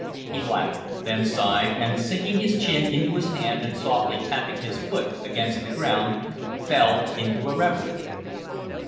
He laughed, then sighed, and, sinking his chin into his hand and softly tapping his foot against the ground, fell into a reverie.